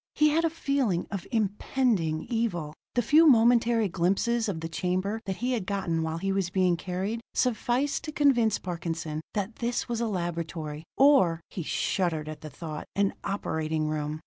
He had a feeling of impending evil. The few momentary glimpses of the chamber that he had gotten while he was being carried, sufficed to convince Parkinson that this was a laboratory, or he shuddered at the thought an operating room.